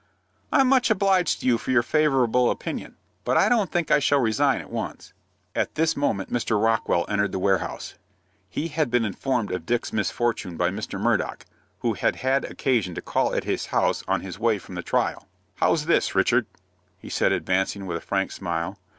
"I'm much obliged to you for your favorable opinion; but I don't think I shall resign at once." At this moment Mr. Rockwell entered the warehouse. He had been informed of Dick's misfortune by Mr. Murdock, who had had occasion to call at his house on his way from the trial. "How's this, Richard?" he said, advancing, with a frank smile.